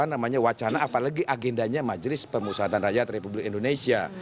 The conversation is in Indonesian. ini dianggap sebagai wacana apalagi agendanya majelis pemusatan rakyat republik indonesia